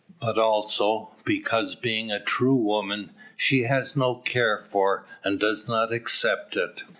But also, because being a true woman, she has no care for, and does not accept it.